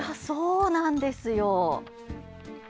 そうなんですよ。